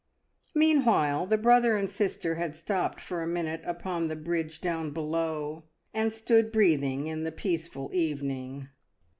Meanwhile the brother and sister had stopped for a minute upon the bridge down below, and stood breathing in the peaceful evening.